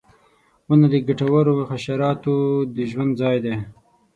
• ونه د ګټورو حشراتو د ژوند ځای دی.